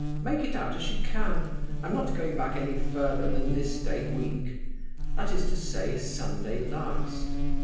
Make it out as you can I am not going back any further than this day week. That is to say, Sunday last.